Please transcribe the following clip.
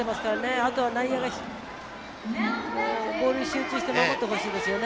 あとは内野がボールに集中して守ってほしいですよね。